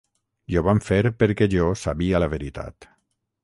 I ho van fer perquè jo sabia la veritat.